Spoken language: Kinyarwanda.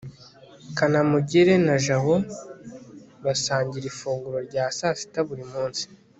kanamugire na jabo basangira ifunguro rya sasita buri munsi